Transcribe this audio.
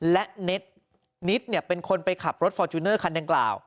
และนิดเป็นคนไปขับรถฟอร์จูเนอร์คันดังกล่าว